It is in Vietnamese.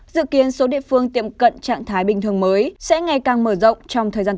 dự kiến số địa phương tiệm cận trạng thái bình thường mới sẽ ngày càng mở rộng trong thời gian tới